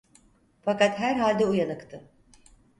Fakat herhalde uyanıktı.